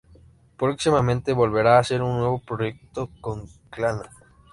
Próximamente volverá a hacer un nuevo proyecto con Clannad.